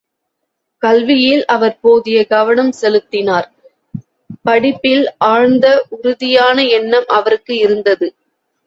கல்வியில் அவர் போதிய கவனம் செலுத்தினார் படிப்பில் ஆழ்ந்த, உறுதியான எண்ணம் அவருக்கு இருந்தது.